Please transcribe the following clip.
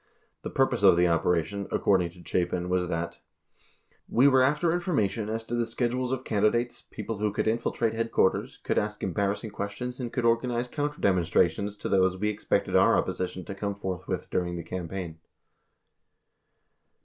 The pur pose of the operation, according to Chapin was that :we were after information as to the schedules of candidates, people who could infiltrate headquarters, could ask embarrassing questions and could organize counter dem onstrations to those we expected our opposition to come forth with during the campaign.